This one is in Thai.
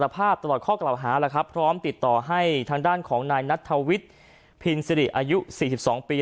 พร้อมติดต่อให้ทางด้านของนายนัททวิทย์พินศรีอายุ๔๒ปี